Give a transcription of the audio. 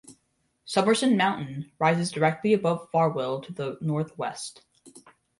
Summerson Mountain rises directly above Farwell to the northwest.